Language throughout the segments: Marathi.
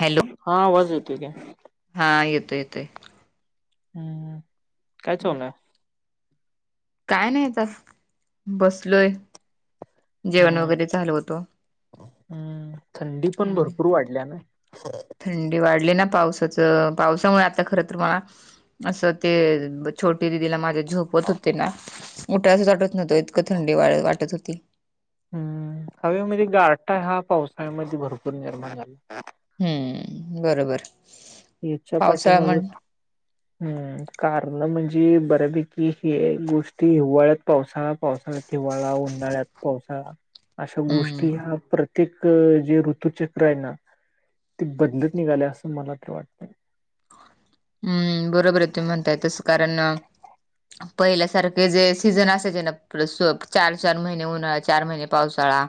हॅलो हा आवाज येतोय काय? हा येतोय येतोय. हम्म कायच हो नाय. काय नाही, तस बसलोय, जेवण हम्म वगैरे झाल होत. हम्म थंडी पण हम्म. भरपूर वाढल्या ना? थंडी वाढली ना, पावसाच पावसामुळे आता खर तर मला अस ते छोटी दिदीला माझ्या झोपवत होते ना, उठावस वाटत नव्हत, इतक थंडी वा वाटत होती. हवे मध्ये गारठा हा पावसाळ्यामध्ये भरपूर निर्माण झाला. हम्म बरोबर. यांच्या पाठी पावसाळा माग, म्हण हम्म कारण म्हणजे, बऱ्यापैकी हे गोष्टी हिवाळ्यात पावसाळा, पावसाळ्यात, हिवाळा उन्हाळ्यात पावसाळा अशा हम्म गोष्टी ह्या प्रत्य प्रत्येक जे ऋतुचक्र आहे ना, ते बदलत निघालय अस मला तर वाटत. हम्म. बरोबर आहे तूम्ही म्हणताय तस, कारण पहिल्यासारखे जे सीझन असायचे ना, चार चार महिने उन्हाळा, चार महिने पावसाळा,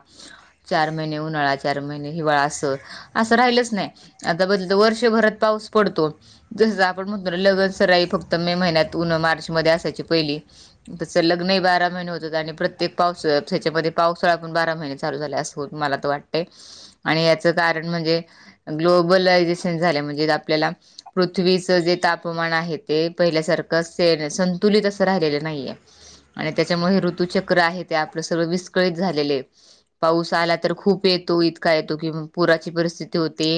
चार महिने उन्हाळा, चार महिने हिवाळा, अस. अस राहिलच नाही. आता बघितलतर वर्षभरात पाऊस पडतो. जस आपण म्हणतो ना लगन सराई फक्त मे महिन्यात, ऊन मार्च मध्ये असायची पहिली. तस लग्नही बारा महिने होतात आणि प्रत्येक पाऊस त्याच्यामध्ये पावसाळा पण बारा महिने चालू झाल्या अस. हो मला तर वाटतय. आणि याच कारण म्हणजे ग्लोबलायझेशन झालय, म्हणजे आपल्याला पृथ्वीच जे तापमान आहे, ते पहिल्यासारखं संतुलित असं राहिलेलं नाहीये. आणि त्याच्यामुळे हे ऋतूचक्र आहे ते आपलं सर्व विस्कळीत झालेले. पाऊस आला तर खूप येतो, इतका येतो कि पुराची परिस्थिती होते.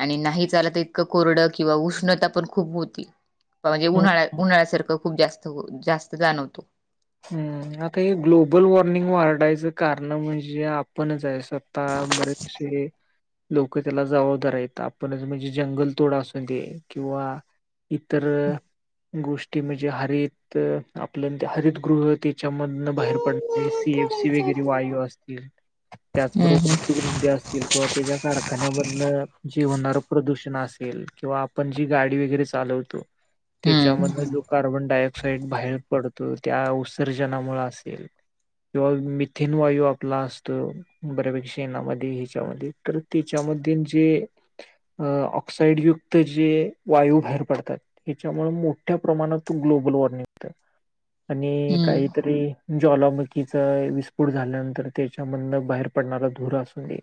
आणि नाहीच आलं तर इतं कोरडं किंवा उष् उष्णता पण खूप होती म्हणजे उन्हाळ्या, उन्हाळ्यासारखं खूप जास्त-जास्त जाणवतो. हम्म, आता हे ग्लोबल वॉर्मिंग वाढायचं कारण म्हणजे आपणच आहे. सत्ता अंबरीतस हे. लोक त्याला जबाबदार येत आपण म्हणजे जंगल तोडा असून दे किंवा इतर गोष्टी म्हणजे हरित आपल्या त्या हरित गृह त्याच्यामधनं बाहेर पण ते सी. एफ. सी. वगैरे हम्म वायू असतील त्याच बरोबर हम्म उद्योग -धंदे असतील. किंवा ते जे कारखान्यामधल, जे होणारं प्रदूषण असेल किंवा आपण जी गाडी वगैरे चालवतो. हम्म त्याच्यामध्येल जो कार्बन डाय ऑक्साइड बाहेर पडतो. त्या उत्सर्जनामुळे असेल. किंवा मिथेन वायू आपला असतो. बऱ्यापेक्षा शेणामध्ये ह्याच्यामध्ये खरं त्याच्यामध्ये जे, अ ऑक्साइडयुक्त जे वायू बाहेर पडतात. त्याच्यामुळे मोठ्या प्रमाणात ग्लोबल वॉर्मिंग होत. आणि हम्म काहीतरी ज्वालामुखीचा विस्फोट झाल्यानंतर त्याच्यामधनं बाहेर पडणारा धुर असू दे.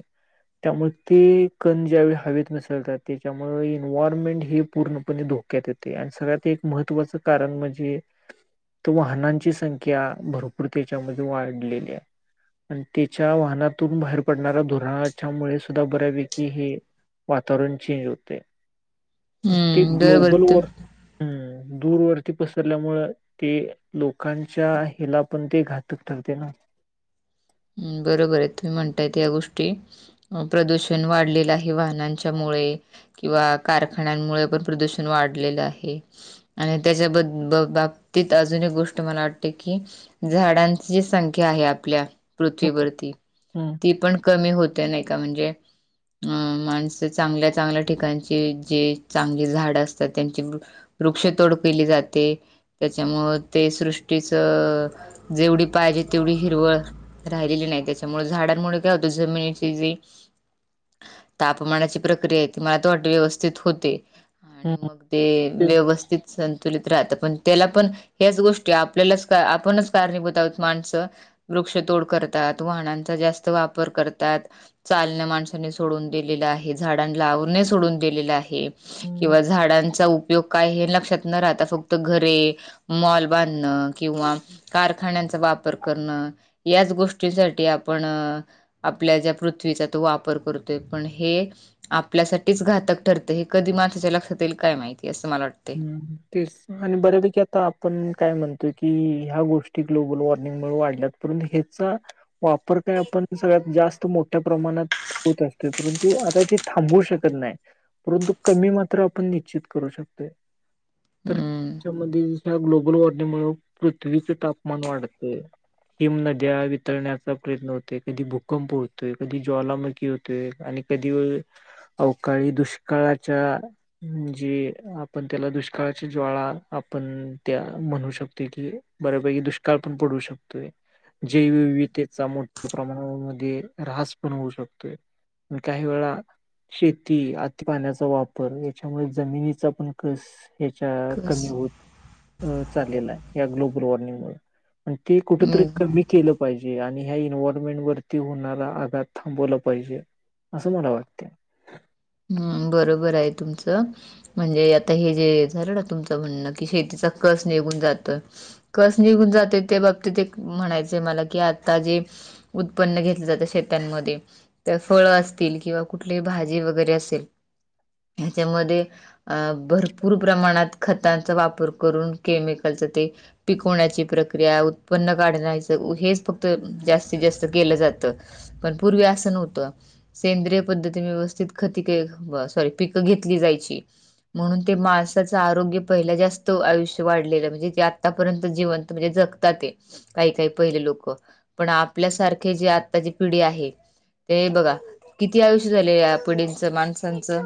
त्यामुळे ते कण ज्यावेळी हवेत मिसळतात, त्याच्यामुळे इन्व्हायरमेंट हे पूर्णपणे धोक यात येते आणि सगळ्यात एक महत्त्वाचं कारण म्हणजे तो वाहनांची संख्या भरपूर त्याच्यामध्ये वाढलेली आहे. आणि त्याच्या वाहनातून बाहेर पडणाऱ्या, धुराच्या मुळे सुद्धा बऱ्यापैकी हे वातावरण चेंज होते. ते हम्म बरोबर ग्लोबल तू वॉर. हम्, दूर वरती पसरल्यामुळ ते लोकांच्या हिला पण ते घातक ठरते ना. ह बरोबर आहे, तुम्ही म्हणताय या गोष्टी. म प्रदूषण वाढलेलं आहे वाहनांच्यामुळे. किंवा कारखान्यांमुळे पण प्रदूषण वाढलेलं आहे. आणि त्याच्याबद् बाबतीत अजून एक गोष्ट मला वाटते की झाडांची जी संख्या हे आपल्या हम्म पृथ्वरती ती पण कमी होते नाही का म्हणजे अं माणसं चांगल्या-चांगल्या ठिकाणचे जे चांगले झाड असतात त्यांची वृक्षतोड केली जाते. त्याच्यामुळं ते सृष्टीचं जेवढी पाहिजे तेवढी हिरवळ राहिलेली नाही, त्याच्यामुळे झाडांमुळे काय होतं जमिनीची जी तापमानाची प्रक्रिया ते मला तर वाट व्यवस्थित होते. आणि हम्म हम्म मग. ते व्यवस्थित संतुलित राहतं पण त्याला पण ह्याच गोष्टी आपल्यालाच आपणच कारणीभूत आहोत माणसं, वृक्षतोड करतात, वाहनांचा जास्त वापर करतात. चालण्या माणसाने सोडून दिलेलं आहे झाडां लावणे सोडून दिलेलं आहे. तेच. किंवा झाडांचा उपयोग काय हे लक्षात न राहता फक्त घरे. मॉल बांधणं किंवा कारखान्यांचा वापर करणं. याच गोष्टीसाठी आपण आपल्या ज्या पृथ्वीचा तो वापर करतोय पण हे आपल्यासाठीच घातक ठरतें हे कधी म त्याच्या लक्षात येईल काय माहिती असं मला वाटतं. हम्म तेच आणि बऱ्यापैकी आता आपण काय म्हणतोय की ह्या गोष्टी ग्लोबल वॉर्मिंगमुळे वाढल्यात. परंतु ह्याचा वापर काय आपण सगळ्यात जास्त मोठ्या प्रमाणात होत असतो परंतु आता ते थांबू शकत नाही परंतु कमी मात्रा आपण निश्चित करू शकतोय. तर हम्म त्याच्यामध्येस हा ग्लोबल वॉर्मिंगमुळे पृथ्वीचे तापमान वाढते. हिम नद्या वितरण्याचा प्रयत्न होतोय कधी भूकंप होतोय कधी ज्वालामुखी होत तोय आणि कधी [unintelligible] अवकाळी दुष्काळाच्या म्हणजे पण त्याला दुष्काळाच्या ज्वाळा आपण त्या म्हणू शकतोय की बऱ्यापैकी दुष्काळ पण पडू शक तोय जैवविधतेचा मोठ्या प्रमाणामामध्ये राहस पण होऊ शकतोय. म काही वेळा शेती आती पाण्याचा वापर याच्यामुळे जमिनीचा पण कस ह्याच्या कमी कस होत चाललेला आहे ग्लोबल वॉर्मिंगमुळे. आणि ती कुठ तरी हम्म कमी केलं पाहिजे आणि ह्या इनवरोनमेंट वरती होणारा आघात थांबवला पाहिजे. असं मला वाटतंय. हम्म बरोबर आहे तुमचं. म्हणजे आता हे जे झालं ना तुमचं म्हणणं की शेतीचा कस निघून जातोय. कस निघून जाते त्या बाबतीत एक म्हणायचंय मला की आता जे उत्पन्न घेतलं जाते शेतांमध्ये तर फळं असतील किंवा कुठली भाजी व गैरे असल हांच्यामध्ये अ भरपूर प्रमाणात खतांचा वापर करून केमिकलचा ते पिकवण्याची प्रक्रिया उत्पन्न काढण्याचं हेच फक्त जास्तीत जास्त केलं जातं. पण पूर्वी असं नव्हतं सेंद्रिय पद्धतीने व्यवस्थित खति कई सॉरी पिकं घेतली जायची. म्हणून ते माणसाचं आरोग्य पहिला जास्त आयुष्य वाढलेलं म्हणजे जे आतापर्यंत जिवंत म्हणजे जग तात आहे काही काही पहिले लोकं पण आपल्यासारखे जे आत्ताची पिढी आहे ते बघा किती आयुष्य झाले या पिढींचं माणसांचं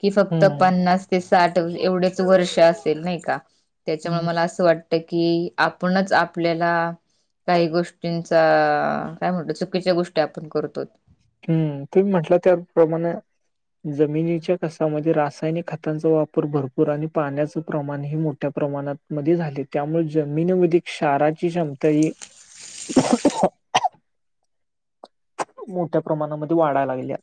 कि फक्त हम्म पन्नास ते साठ एवढेच वर्ष असेल नाही का त्याच्यामुळे हम्म मला असं वाट तं कि आपणच आपल्याला काही गोष्टींचा काय म्हणतो चुकीच्या गोष्टी आपण करतो. हम्म तुम्ही म्हटलं त्या प्रमाणे जमिनीच्या कसामध्ये रासायनिक खतांचा वापर भरपूर आणि पाण्याचं प्रमाणही मोठ ठा प्रमाणात मध्ये झाले त्यामुळे जमिनीमध्ये क्षाराची क्षमता ही [unintelligible] मोठ्या प्रमाणामध्ये वाढायला लागल्या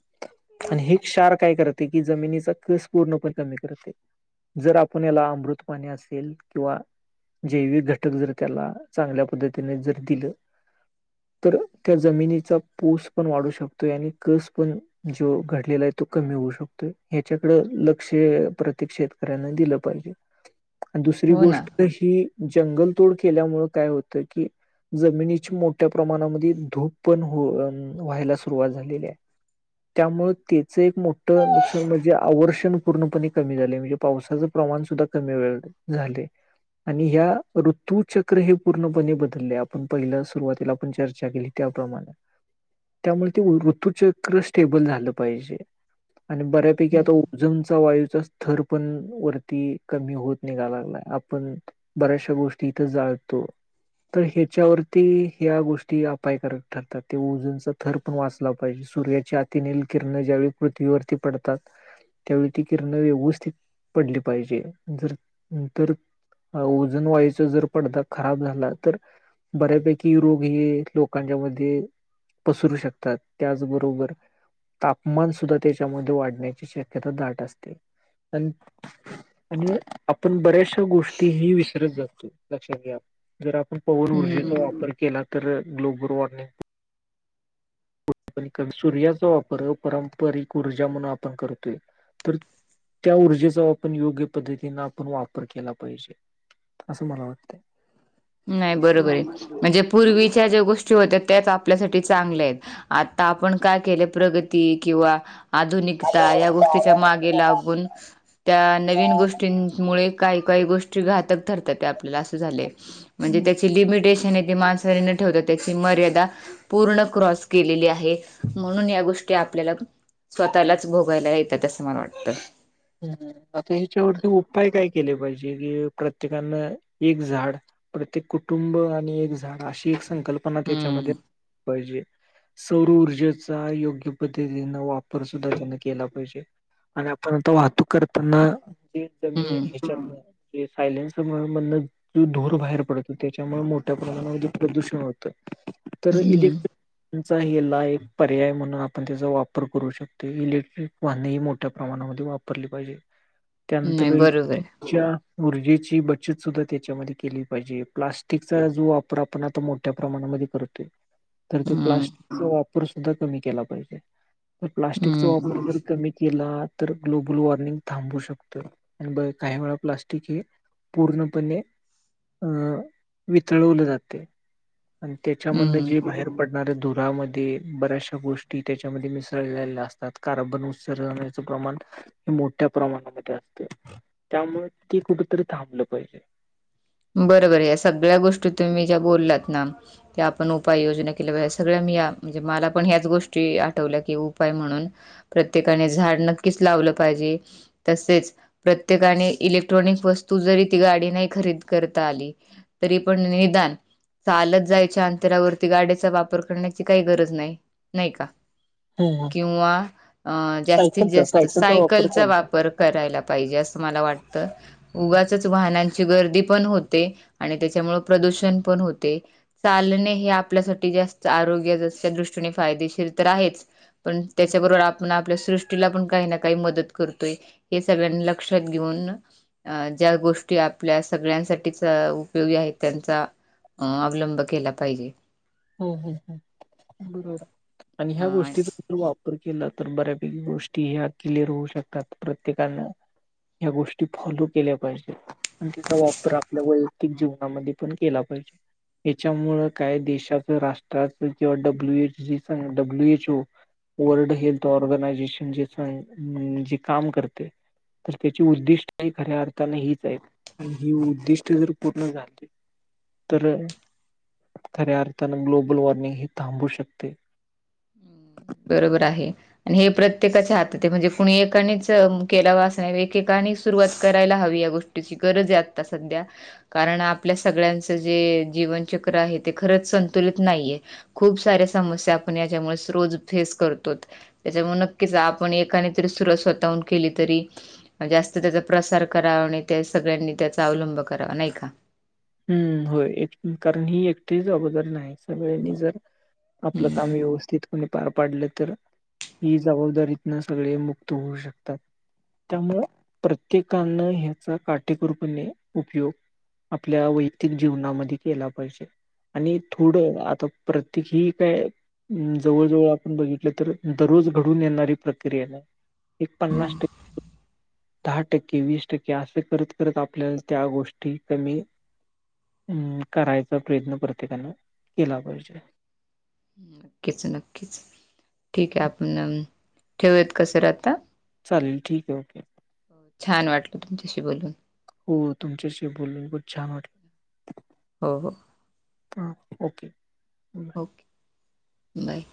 आणि हे क्षार काय करत ते की जमिनीचा कस पूर्णपण कमी करते. जर आपण याला अमृत पाणी असेल किंवा जैविक घटक जर त्याला चांगल्या पद्धतीने जर दिलं तर त्या जमिनीचा पूस पण वाढू शकतो आणि कस पण जो घडलेला आहे तो कमी होऊ शकतोय ह्याच्याकडं लक्ष्य प्रत्येक शेतकऱ्यांना दिलं पाहिजे. आणि दुसरी हो ना गोष्ट ही जंगलतोड केल्यामुळे काय होतं कि जमिनीची मोठ्या प्रमाणामध्ये धूप पण हो अन व्हायला सुरुवात झालेली आहे. त्यामुळे त्याचा एक मोठं नुकसान म्हणजे आवर्षण पूर्णपणे कमी झालं म्हणजे पावसाचं प्रमाण सुद्धा कमी वेळ झाले. आणि ह्या ऋतू चक्र हे पूर्णपणे बदलले आपण पहिलस सुरुवातीला आपण चर्चा केली त्याप्रमाणे. त्यामुळं ते ऋतुचक्र स्टेबल झालं पाहिजे आणि बऱ्यापैकी आता उ झूमचा, वायूचा स्थर पण वरती कमी होत निघा लागलाय. आपण बऱ्याचशा गोष्टी इथं जाळतो तर ह्याच्यावरती ह्या गोष्टी अपायकारक ठरतात. ते ओझनचा थर पण वाचला पाहिजे, सूर्याची अतिनील किरणं ज्यावेळी पृथ्वीवरती पडतात त्यावेळी ती किरणं व्यवस्थित, पडली पाहिजे. जर तर ओजन वायुचा जर पडदा खराब झाला तर बऱ्यापैकी रोग हे लोकांच्या मध्ये पसरू शकतात. त्याचबरोबर तापमान सुद्धा त्याच्यामध्ये वाढण्याची शक्यता दाट असते. अन आणि आपण बर्याचशा तर गोष्टी ही विसरत जातो, लक्षात घ्या. जर आपण पवन हम्म ऊर्जेचा वापर केला तर ग्लोबल वॉर्मिंग [unintelligible] सूर्याचा वापर, अपारंपरिक ऊर्जा म्हणून आपण करतोय. तर त्या ऊर्जेचा, आपण योग्य पद्धतीने आपण वापर केला पाहिजे. असं मला वाटतंय. नाही, बरोबर आहे. म्हणजे पूर्वीच्या ज्या गोष्टी गोष्टी होत्या त्याच आपल्यासाठी चांगल्या आहेत. आता आपण काय केले प्रगती किंवा आधुनिकता या गोष्टीच्या मागे लागून, त्या नवीन गोष्टींमुळे काही काही गोष्टी घातक ठरतात त्या आपल्याला, असं झालंय. हम्म. लिमिटेशन येते. माणसरीने ठेवतात त्याची मर्यादा पूर्ण क्रॉस केलेली आहे, म्हणून या गोष्टी आपल्याला स्वतःलाच भोगायला येतात, असं मला वाटतं. हम्, आता ह्याच्यावरती उपाय काय केले पाहिजे? की प्रत्येकानं एक झाड प्रत्येक कुटुंब आणि एक झाड, अशी एक संकल्पना त्याच्यामध्ये हम्म पाहिजे. सौरऊर्जेचा योग्य पद्धतीनं वापर सुद्धा त्यांनं केला पाहिजे. आणि आपण आता वाहतूक करताना जे जमी हम्म हच्या मुळं ते सायलेंसर मुळं मधनं तो धुर बाहेर पडतो, त्याच्यामुळे मोठ्या प्रमाणामध्ये प्रदूषण होतं. तर हम्म इलेक्टी चा हे ला एक पर्याय म्हणून, आपण त्याचा वापर करू शकतो. इलेक्ट्रिक वाहनही मोठ्या प्रमाणामध्ये वाप वापरली पाहिजे. नाही त्यानंतर बरोबर आहे. च्या ऊर्जेची बचत सुद्धा, त्याच्यामध्ये केली पाहिजे. प्लास्टिकचा जो वापर आपण आता मोठ मोठ्या प्रमाणामध्ये करतोय, तर तो हम्म प्लास्टिकचा वापर सुद्धा कमी केला पाहिजे. तर प्लास्टिकचा हम्म वापर जर कमी केला, तर ग्लोबल वॉर्मिंग थांबू शकतं आणि काही वेळा प्लास्टिक हे पूर्णपणे अं वितळवलं जातंय. आणि त्याच्यामधनं हम्म जे बाहेर पडणाऱ्या धुरामध्ये, बऱ्याचशा गोष्टी त्याच्यामध्ये मिसळलेल्या असत तात, कार्बन उत्सर्जण्याचं प्रमाण हे मोठ्या प्रमाणामध्ये असते, त्यामुळे ते कुठेतरी थांबलं पाहिजे. बरोबर आहे. या सगळ्या गोष्टी तुम्ही ज्या बोललात ना त्या आपण उपाययोजना केल्या पाहिजे. सगळ्या मी या म्हणजे मला पण ह्याच गोष्टी आठवल्या की, उपाय म्हणून प्रत्येकाने झाड, नक्कीच लावलं पाहिजे. तसेच प्रत्येकाने इलेक्ट्रॉनिक वस्तू जरी ती गाडी नाही खरेदी करता आली तरी पण निदान चालत जायच्या अंतरावरती गाडीचा वापर करण्याची काही गरज नाय, नाही का? हम्म किंवा अ जास्तीत सायकलचा जास्त वापर सायकलचा चालतोय. वापर करायला पाहीजे अस मला वाटत. हम्म उगाचच वाहनांची गर्दी पण होते. आणि त्याच्यामुळ प्रदूषण पण होते. चालणे हे आपल्यासाठी जास्त आरोग्य ज त्या दृष्टीने फायदेशीर तर आहेच पण हम्म. त्याच्याबरोबर आप आपण आपल्या सृष्टीला पण काही ना काही मदत करतोय. हे सगळ्यांनी लक्षात घेऊन अ ज्या गोष्टी आपल्यास सगळ्यांसाठी अ उपयोगी आहे. त्यांचा अ अवलंब केला पाहिजे. हो बोलतोय, बरोबर आणि ह्या पाहिजे. गोष्टीच वापर केला तर बऱ्यापैकी गोष्टी ह्या क्लिअर होऊ शकतात. प्रत्येकान या गोष्टी फॉलो केल्या पाहिजे. आणि तिचा वापर आपल्या वैयक्तिक जीवनामध्ये पण केला पाहिजे. त्याच्यामुळं काय देशाचं, राष्ट्राच किंवा डब्ल्यू एच जी चं W H O world health organization जेचं आहे. जे काम करतय तर त्याची उद्दिष्टही खऱ्या अर्थान हीच हाईत, मग ही उद्दिष्ट जर पूर्ण झाली तर खऱ्या अर्थान ग्लोबल वार्निंग ही थांबू शकते. बरोबर आहे. आणि हे प्रत्येकाच्या हातात ये. म्हणजे कुणी एकानेच केला वा अस नाय, एकेकाने सुरुवात करायला हवी या गोष्टी ची गरज ये, आता सध्या कारण आपल्या सगळ्यांचं जे जीवनचक्र आहे, ते खरंच संतुलित नाहीये. खूप साऱ्या समस्या आपण याच्यामुळेसं रोज फेस करतोत. त्याच्यामुळ नक्कीच आपण एकाने तरी सुरवात स्वतःहून केली तरी म्हणजे जास्त त्याचा प्रसार करावा. नाय त सगळ्यांनी त्याचा अवलंब करावा, नाही का. हम्म होय. एक कारण ही एकटी जबाबदारी न्हाय, सगळ्यांनी जर आपलं काम हम्म व्यवस्थित पणे पार पाडलं तर, ही जबाबदारीतन सगळे मुक्त होऊ शकतात. त्यामुळ प्रत्येकान ह्याचा काटेकोरपणे उपयोग आपल्या वैयतिक जीवनामध्ये केला पाहिजे. आणि थोडं आता प्रत्येक हे काय हूं जवळ जवळ आपण बघितलं तर दररोज घडून येणारी प्रक्रिया नाय एक पन्नास हम्म. टक् दहा टक्के, वीस टक्के असं करत करत आपल्याला त्या गोष्टी कमी अम्म करायचा प्रयत्न प्रत्येकानं केला पाहिजे. नक्कीच नक्कीच, ठीक ये. आपण अ ठेवूयात का सर आता चालेल ठीक ये ओके छान वाटल तुमच्याशी बोलून. हो तुमच्याशी बोलून पण छान वाटलं. हो हो. हां ओके बाय.